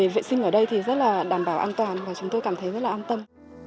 vệ sinh ở đây rất đảm bảo an toàn và chúng tôi cảm thấy rất an tâm